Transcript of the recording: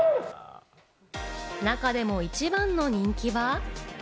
中でも一番の人気は。